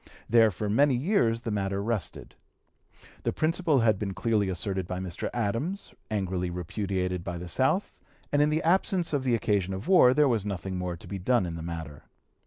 There for many years the matter rested. The principle had been clearly asserted by Mr. Adams, angrily repudiated by the South, and in the absence of the occasion of war there was nothing more to be done in the matter.